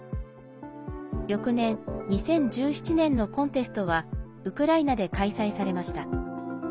翌年、２０１７年のコンテストはウクライナで開催されました。